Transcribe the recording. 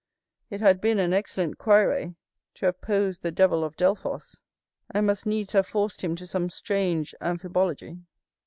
It had been an excellent quære to have posed the devil of Delphos, and must needs have forced him to some strange amphibology.